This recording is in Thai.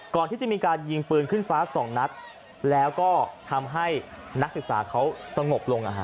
ก่อนที่จะมีการยิงปืนขึ้นฟ้าสองนัดแล้วก็ทำให้นักศึกษาเขาสงบลง